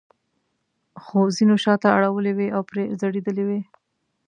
خو ځینو شاته اړولې وې او پرې ځړېدلې وې.